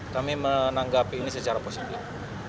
kami menanggapi ini secara positif